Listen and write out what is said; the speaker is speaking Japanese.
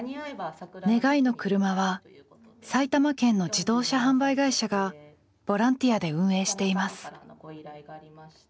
「願いのくるま」は埼玉県の自動車販売会社がボランティアで運営しています。